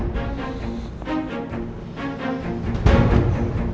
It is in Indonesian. gak ada yang datang